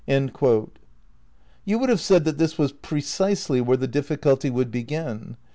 ' You would have said that this was precisely where the difficulty would begin.